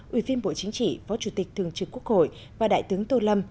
ủy viên bộ chính trị phó chủ tịch thường trực quốc hội và đại tướng tô lâm